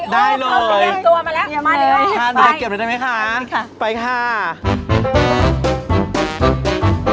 ได้เลยมาดีกว่าไปค่ะหนูไปเก็บด้วยได้ไหมคะไปค่ะโอ้